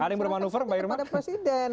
silahkan beri kepada presiden